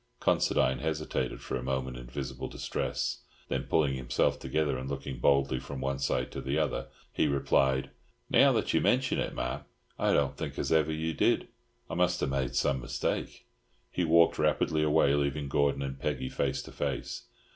Considine hesitated for a moment in visible distress. Then, pulling himself together, and looking boldly from one to the other, he replied— "Now that you mention it, ma'am, I don't think as ever you did. I must ha' made some mistake." He walked rapidly away, leaving Gordon and Peggy face to face.